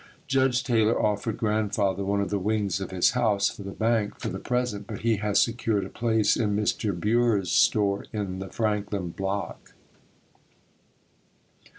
Judge Taylor offered Grandfather one of the wings of his house for the bank for the present but he has secured a place in Mr. Buhre's store in the Franklin Block.